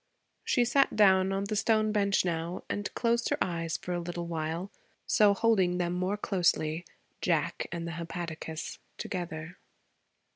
She sat down on the stone bench now and closed her eyes for a little while, so holding them more closely Jack and the hepaticas together.